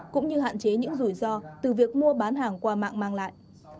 cũng như hạn chế những rủi ro từ việc mua bán hàng qua mạng mang lại